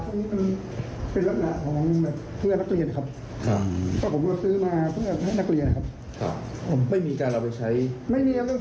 ไม่มีนะเรื่องตัวไม่มีนะครับผม